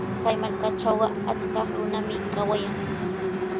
Kay markatrawqa achkaq runami kawayan.